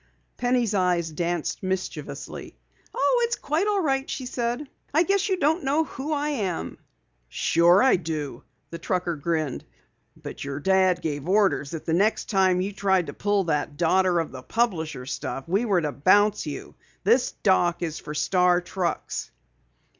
Penny's eyes danced mischievously. "Oh, it's quite all right," she said. "I guess you don't know who I am." "Sure, I do," the trucker grinned. "But your dad gave orders that the next time you tried to pull that daughter of the publisher stuff we were to bounce you! This dock is for Star trucks."